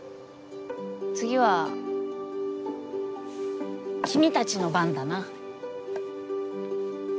次は君たちの番だな。